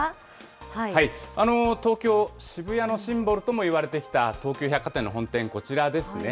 東京・渋谷のシンボルともいわれてきた東急百貨店の本店、こちらですね。